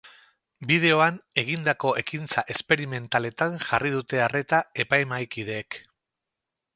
Bideoan egindako ekintza esperimentaletan jarri dute arreta epaimahaikideek.